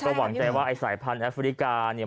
หวังใจว่าไอ้สายพันธุแอฟริกาเนี่ย